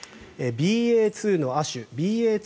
ＢＡ．２の亜種ＢＡ．２．７５